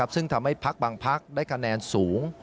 ซึ่งทำให้พักบางพักได้คะแนนสูง